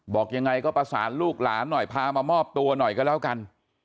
บอกยังไงก็ประสานลูกหลานหน่อยพามามอบตัวหน่อยก็แล้วกัน